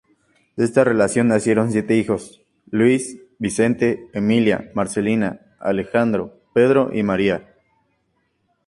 De esta relación nacieron siete hijos: Luis, Vicente, Emilia, Marcelina, Alejandro, Pedro y María.